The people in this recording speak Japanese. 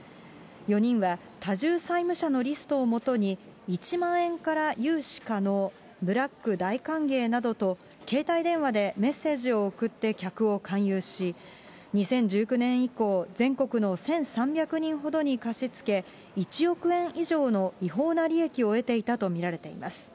４人は多重債務者のリストを基に、１万円から融資可能、ブラック大歓迎などと、携帯電話でメッセージを送って客を勧誘し、２０１９年以降、全国の１３００人ほどに貸し付け、１億円以上の違法な利益を得ていたと見られています。